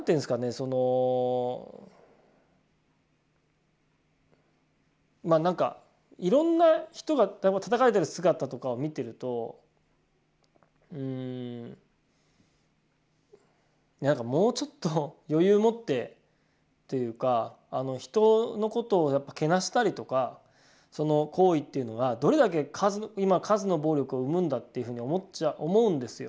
そのなんかいろんな人がたたかれてる姿とかを見てるともうちょっと余裕を持ってというか人のことをけなしたりとかその行為っていうのはどれだけ今数の暴力を生むんだっていうふうに思うんですよ